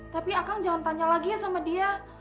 tapi kang jangan tanya lagi ya sama dia